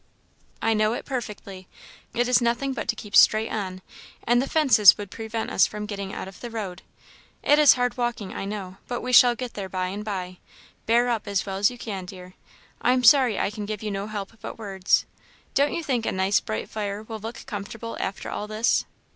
"I know it perfectly; it is nothing but to keep straight on; and the fences would prevent us from getting out of the road. It is hard walking, I know, but we shall get there by and by; bear up as well as you can, dear. I am sorry I can give you no help but words. Don't you think a nice bright fire will look comfortable after all this?"